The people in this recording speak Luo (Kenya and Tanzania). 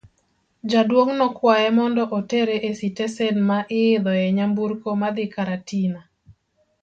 Jaduong' nokwaye mondo otere e sitesen ma iidho e nyamburko madhi Karatina.